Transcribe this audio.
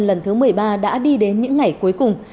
lần thứ một mươi ba đã đi đến những ngày cuối cùng